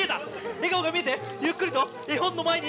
笑顔が見えてゆっくりと絵本の前に。